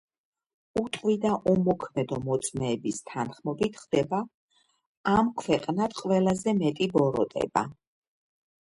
უტყვი და უმოქმედო მოწმეების თანხმობით ხდება ხდება ამ ქვეყნად ყველაზე მეტი ბოროტება